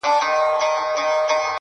څوک په مال او دولت کله سړی کيږي,